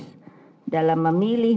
pdi pernama memilih